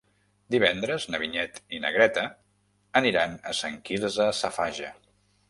Divendres na Vinyet i na Greta aniran a Sant Quirze Safaja.